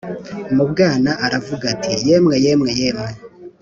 mubwana aravuga ati”yemwe yemwe yemwe